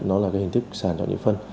nó là cái hình thức sản cho những phân